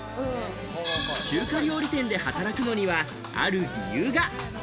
中華料理店で働くのには、ある理由が。